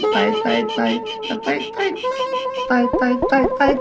ตายตายตายแต่ตายตาย